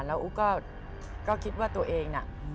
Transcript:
แล้วอุ๊กก็คิดว่าตัวเองน่ะ